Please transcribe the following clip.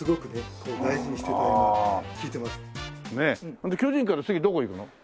ほんで巨人から次どこ行くの？